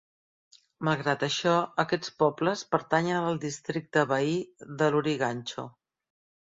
Malgrat això, aquests pobles pertanyen al districte veí de Lurigancho.